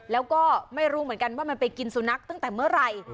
แล้วก็ไม่รู้เหมือนกันว่ามันไปกินสุนัขตั้งแต่เมื่อไหร่